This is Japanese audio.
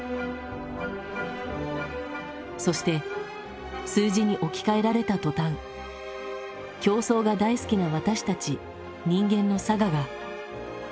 そして数字に置き換えられた途端競争が大好きな私たち人間の性が判断の目を曇らせる。